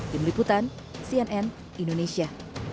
tim liputan cnn indonesia